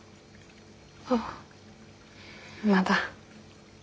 ああまだ。